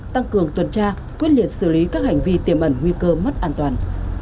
tăng cường tuần tra quyết liệt xử lý các hành vi tiềm ẩn nguy cơ mất an toàn